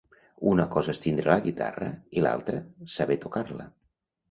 Una cosa és tindre la guitarra i l'altra saber tocar-la.